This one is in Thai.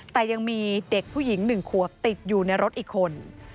แต่ยังมีเด็กผู้หญิง๑ขวบติดอยู่ในรถอีกคน